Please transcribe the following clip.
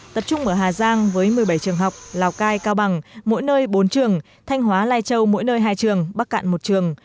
tập trung ở hà giang với một mươi bảy trường học lào cai cao bằng mỗi nơi bốn trường thanh hóa lai châu mỗi nơi hai trường bắc cạn một trường